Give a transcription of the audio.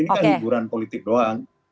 ini kan hiburan politik doang